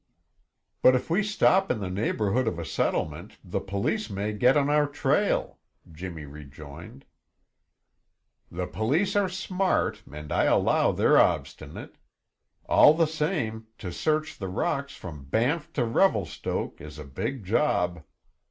"But if we stop in the neighborhood of a settlement, the police may get on our trail," Jimmy rejoined. "The police are smart and I allow they're obstinate. All the same, to search the rocks from Banff to Revelstoke is a big job.